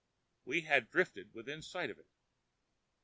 We had drifted within sight of it.